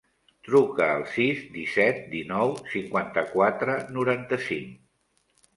Truca al sis, disset, dinou, cinquanta-quatre, noranta-cinc.